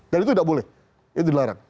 dan itu nggak boleh itu dilarang